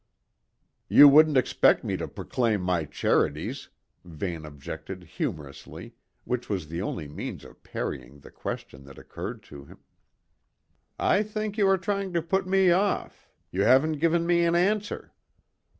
"You wouldn't expect me to proclaim my charities," Vane objected humorously which was the only means of parrying the question that occurred to him. "I think you are trying to put me off. You haven't given me an answer."